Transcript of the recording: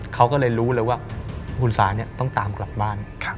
เขาก็เลยรู้เลยว่าคุณซาเนี่ยต้องตามกลับบ้าน